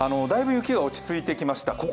だいぶ雪が落ち着いてきました。